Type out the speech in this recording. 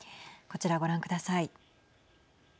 こちら、ご覧ください。